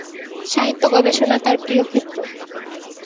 সাহিত্য গবেষণা তার প্রিয় ক্ষেত্র।